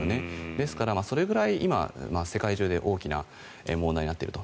ですからそれくらい今、世界中で大きな問題になっていると。